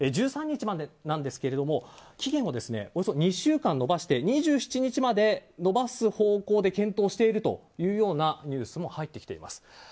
１３日までですが期限をおよそ２週間延ばして２７日まで延ばす方向で検討しているというようなニュースも入ってきています。